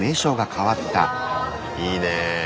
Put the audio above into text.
いいねえ。